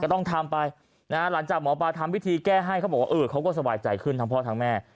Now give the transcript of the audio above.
ต้องทำไปนะฮะหลังจากหมอปลาทำวิธีแก้ให้เขาบอกว่าเออเขาก็สบายใจขึ้นทั้งพ่อทั้งแม่